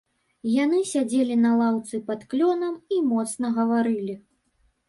Яны сядзелі на лаўцы пад клёнам і моцна гаварылі.